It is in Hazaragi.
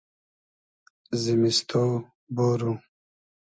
زیمیستو بۉرو